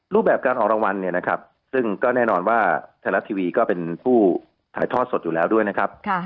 รูปแบบการออกรางวัลซึ่งแน่นอนว่าแถล็ตทีวีก็เป็นผู้ถ่ายทอดสดอยู่แล้วด้วยนะครับ